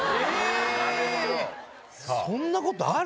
そんなことある？